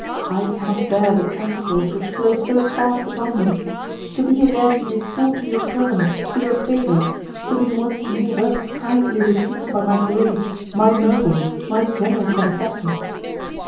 I cannot bear the transports which flow so fast upon me. To be again restored to your presence, to your favour; to be once more thus kindly received by my great, my noble, my generous benefactor."